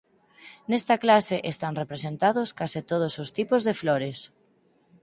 Nesta clase están representados case todos os tipos de flores.